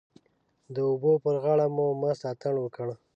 د اوبو پر غاړه مو مست اتڼ وکړ.